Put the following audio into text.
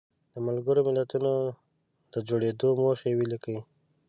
د ملګرو ملتونو د جوړېدو موخې ولیکئ.